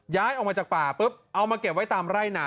ย้ายออกมาจากป่าปุ๊บเอามาเก็บไว้ตามไร่นา